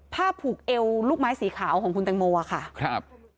ผูกเอวลูกไม้สีขาวของคุณตังโมอะค่ะครับ